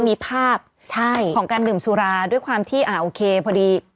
มีภาพใช่ของการดื่มสุราด้วยความที่อ่าโอเคพอดี